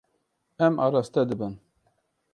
Em araste dibin.